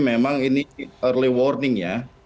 memang ini early warning ya